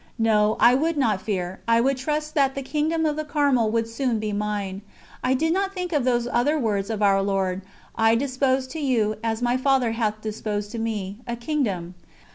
No, I would not fear, I would trust that the Kingdom of the Carmel would soon be mine. I did not think of those other words of Our Lord: "I dispose to you, as my Father hath disposed to Me, a Kingdom."